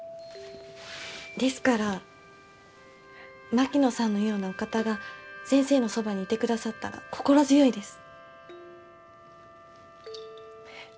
ですから槙野さんのようなお方が先生のそばにいてくださったら心強いです。